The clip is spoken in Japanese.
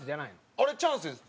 あれチャンスです。